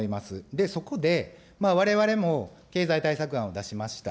で、そこで、われわれも経済対策案を出しました。